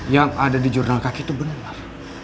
yang ada di jurnal kaki itu benar